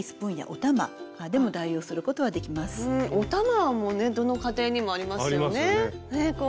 お玉もねどの家庭にもありますよね。